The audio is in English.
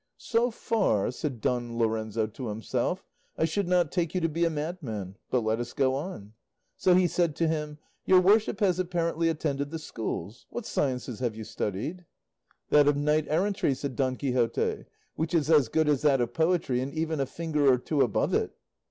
"So far," said Don Lorenzo to himself, "I should not take you to be a madman; but let us go on." So he said to him, "Your worship has apparently attended the schools; what sciences have you studied?" "That of knight errantry," said Don Quixote, "which is as good as that of poetry, and even a finger or two above it."